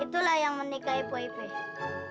itulah yang menikahi poipet